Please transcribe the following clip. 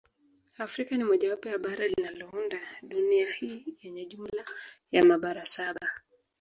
Afrika ni mojawapo ya bara linalounda dunia hii yenye jumla ya mabara saba